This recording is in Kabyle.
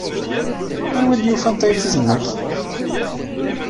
Anwa ay d-yufan taydit-nnek?